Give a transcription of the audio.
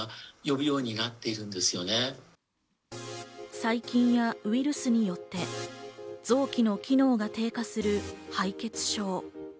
細菌やウイルスによって臓器の機能が低下する敗血症。